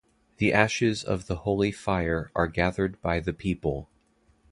The ashes of the holy fire are gathered by the people.